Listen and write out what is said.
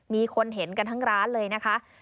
มีคนเห็นกันทั้งร้านเลยนะคะ